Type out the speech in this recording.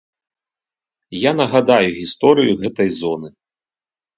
Я нагадаю гісторыю гэтай зоны.